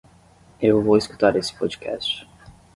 Eu vou escutar esse podcast.